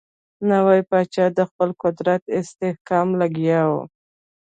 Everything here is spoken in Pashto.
نوی پاچا د خپل قدرت استحکام لګیا وو.